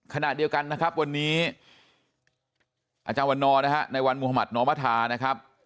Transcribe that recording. ขณะเดียวกันนะครับวันนี้อาจารย์วันนอร์นะฮะในวันมุธมัธนอมธานะครับ